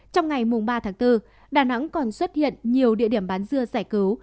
trong ngày ba tháng bốn đà nẵng còn xuất hiện nhiều địa điểm bán dưa giải cứu